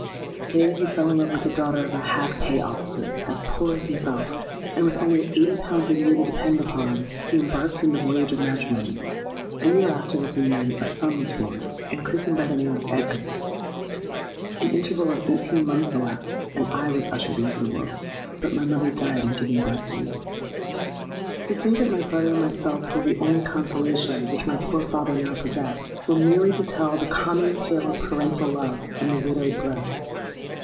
There he fell in love with the daughter of a half pay officer as poor as himself; and, with only eighty pounds a year to depend upon, he embarked in the voyage of matrimony. A year after this union, a son was born, and christened by the name of Edgar: an interval of eighteen months elapsed, and I was ushered into the world. But my mother died in giving birth to me. "To say that my brother and myself were the only consolation which my poor father now possessed, were merely to tell the common tale of parental love in the widowed breast.